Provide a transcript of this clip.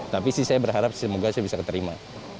tapi sih saya berharap semoga saya bisa keterima